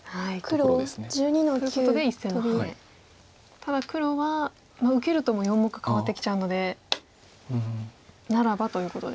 ただ黒は受けるともう４目変わってきちゃうのでならばということで。